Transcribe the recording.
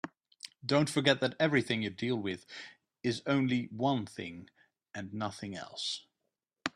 Don't forget that everything you deal with is only one thing and nothing else.